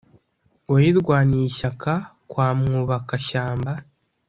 wayirwaniye ishyaka kwa mwubaka-shyamba .